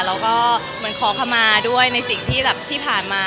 แล้วก็เหมือนขอขมาด้วยในสิ่งที่แบบที่ผ่านมา